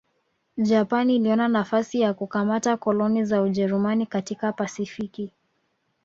Japani iliona nafasi ya kukamata koloni za Ujerumani katika Pasifiki